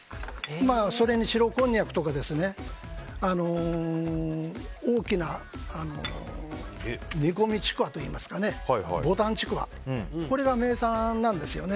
それに白こんにゃくとか大きな煮込みちくわといいますかぼたんちくわが名産なんですね。